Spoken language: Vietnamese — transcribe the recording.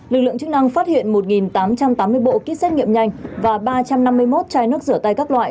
lực lượng chức năng phát hiện một tám trăm tám mươi bộ kit xét nghiệm nhanh và ba trăm năm mươi một chai nước rửa tay các loại